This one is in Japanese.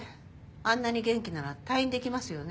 あんなに元気なら退院できますよね？